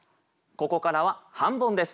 ここからは半ボンです。